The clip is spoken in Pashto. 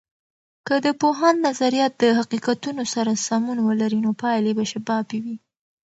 که د پوهاند نظریات د حقیقتونو سره سمون ولري، نو پایلې به شفافې وي.